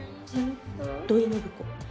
土井信子。